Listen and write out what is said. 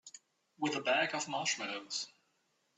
With a bag of marshmallows.